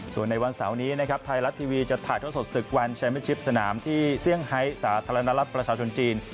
ส่วนในวันเสาร์นี้นะครับไทยรัฐทีวีจะถ่ายท่อสดศึกวันแชมเป็นชิปสนามที่เซี่ยงไฮสาธารณรัฐประชาชนจีน